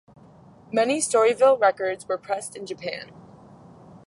Many Storyville records were pressed in Japan.